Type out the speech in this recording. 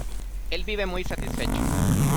El vive muy satisfecho.